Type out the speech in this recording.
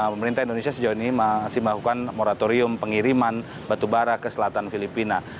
pemerintah indonesia sejauh ini masih melakukan moratorium pengiriman batubara ke selatan filipina